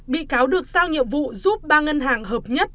bị cáo được giao nhiệm vụ giúp ba ngân hàng hợp nhất